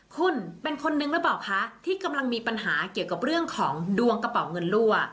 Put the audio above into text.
คุณเป็นคนนึงหรือเปล่าคะที่กำลังมีปัญหาเกี่ยวกับเรื่องของดวงกระเป๋าเงินรั่ว